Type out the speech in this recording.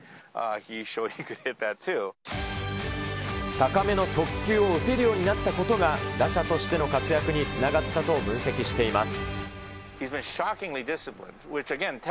高めの速球を打てるようになったことが、打者としての活躍につながったと分析しています。